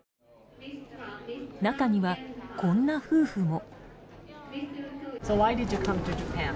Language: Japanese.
中には、こんな夫婦も。